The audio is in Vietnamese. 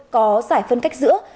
có giải phân cách giữa